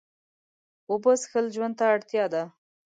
اوبه څښل ژوند ته اړتیا ده